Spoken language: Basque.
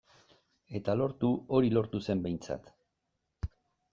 Eta lortu, hori lortu zen behintzat.